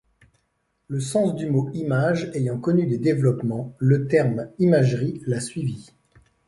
Le sens du mot image ayant connu des développements, le terme imagerie l'a suivi.